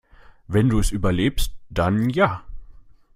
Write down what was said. Wenn du es überlebst, dann ja.